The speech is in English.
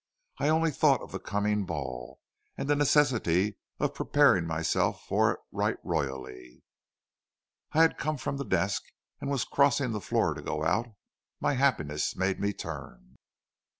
I only thought of the coming ball, and the necessity of preparing myself for it right royally. "I had come from the desk, and was crossing the floor to go out. My happiness made me turn.